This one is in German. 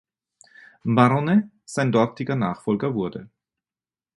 Baronet sein dortiger Nachfolger wurde.